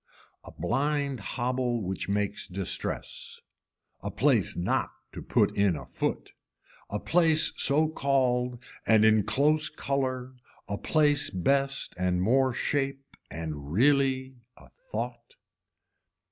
A blind hobble which makes distress. A place not to put in a foot, a place so called and in close color, a place best and more shape and really a thought.